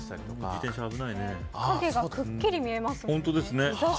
影がくっきり見えますね。